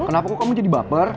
kenapa kok kamu jadi baper